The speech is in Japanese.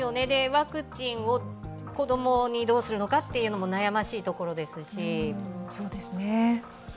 ワクチンを子供にどうするのかというのも悩ましいところですし。